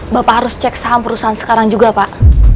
bapak harus cek saham perusahaan sekarang juga pak